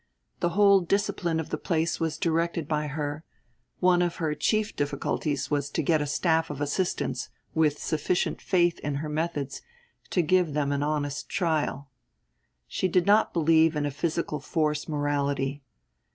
The whole discipline of the place was directed by her; one of her chief difficulties was to get a staff of assistants with sufficient faith in her methods to give them an honest trial. She did not believe in a physical force morality.